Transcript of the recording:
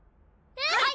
はい！